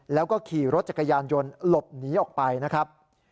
แล้วก็ขี่รถจักรยานยนต์หลบหนีออกไปนะครับ